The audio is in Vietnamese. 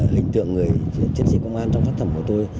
hình tượng người chiến sĩ công an trong các tác phẩm của tôi